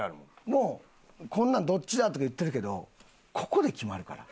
もうこんなんどっちだ？とか言ってるけどここで決まるから。